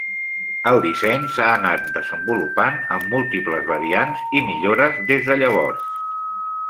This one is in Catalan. El disseny s'ha anat desenvolupant amb múltiples variants i millores des de llavors.